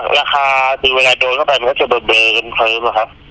ราคาเทปไว้เข้าไปมันก็จะเตินแต่กันเพิ่ม